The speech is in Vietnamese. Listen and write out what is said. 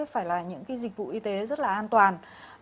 phải là những cái dịch vụ y tế rất là an toàn